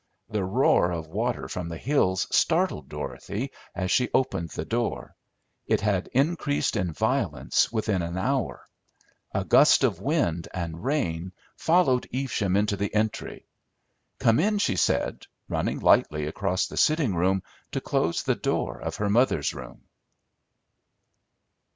The roar of water from the hills startled Dorothy as she opened the door; it had increased in violence within an hour. A gust of wind and rain followed Evesham into the entry. "Come in," she said, running lightly across the sitting room to close the door of her mother's room.